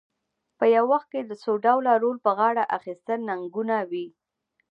په یو وخت کې د څو ډوله رول په غاړه اخیستل ننګونه وي.